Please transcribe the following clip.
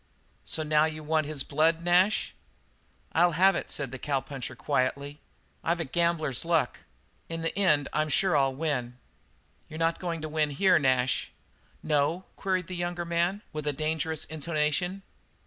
"So now you want his blood, Nash?" "I'll have it," said the cowpuncher quietly, "I've got gambler's luck. In the end I'm sure to win." "You're not going to win here, Nash." "No?" queried the younger man, with a dangerous intonation.